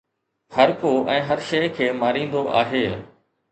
هرڪو ۽ هر شيء کي ماريندو آهي